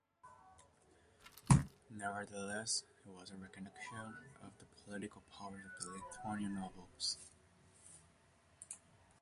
Nevertheless, it was a recognition of the political powers of the Lithuanian nobles.